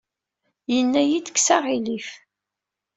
Yenna-iyi-d kkes aɣilif.